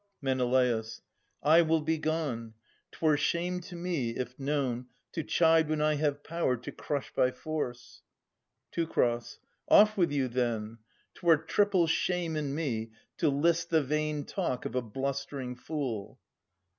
Men. I will be gone. 'Twere shame to me, if known, To chide when I have power to crush by force. Teu. Oif with you, then ! 'Twere triple shame in me To list the vain talk of a blustering fool.